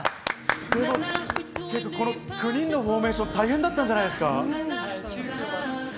９人のフォーメーション、大変だったんじゃないですか？